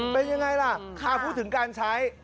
เป็นยังไงล่ะพูดถึงการใช้